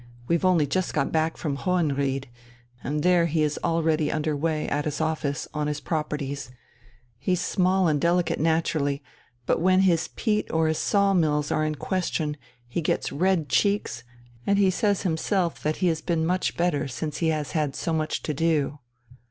We've only just got back from Hohenried, and there he is already under way, at his office, on his properties he's small and delicate naturally, but when his peat or his saw mills are in question he gets red cheeks, and he says himself that he has been much better since he has had so much to do."